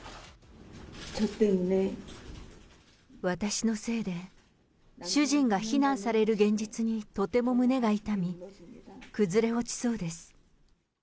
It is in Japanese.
私のせいで主人が非難される現実にとても胸が痛み、崩れ落ちそうです。